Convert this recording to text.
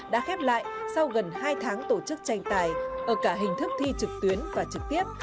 đã khép lại sau gần hai tháng tổ chức tranh tài ở cả hình thức thi trực tuyến và trực tiếp